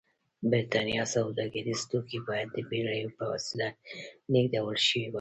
برېټانیا سوداګریز توکي باید د بېړیو په وسیله لېږدول شوي وای.